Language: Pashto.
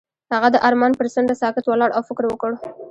هغه د آرمان پر څنډه ساکت ولاړ او فکر وکړ.